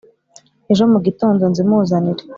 Ejo mu gitondo nzimuzanire.